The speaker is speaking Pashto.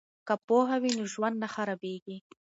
که پوهه وي نو ژوند نه خرابیږي.